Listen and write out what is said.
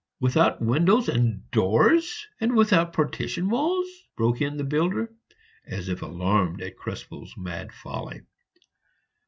"Without windows and doors, and without partition walls?" broke in the builder, as if alarmed at Krespel's mad folly.